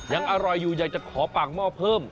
ยังอร่อยอยู่อยากจะขอปากหม้อเพิ่ม